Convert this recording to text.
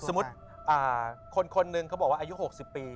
สมมุติคนนึงเขาบอกว่าอายุหกสิบปี